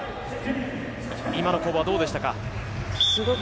今の攻防はどうでしたか？